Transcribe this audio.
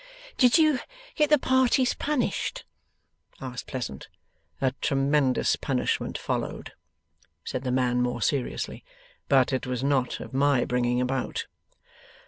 'Did you get the parties punished?' asked Pleasant. 'A tremendous punishment followed,' said the man, more seriously; 'but it was not of my bringing about.